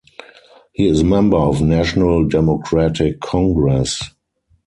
He is member of National Democratic Congress.